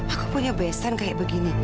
aku punya besan kayak begini